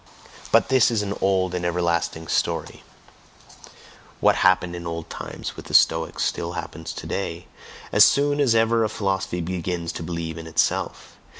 But this is an old and everlasting story: what happened in old times with the Stoics still happens today, as soon as ever a philosophy begins to believe in itself.